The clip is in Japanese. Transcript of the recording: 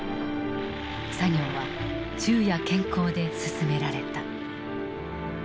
作業は昼夜兼行で進められた。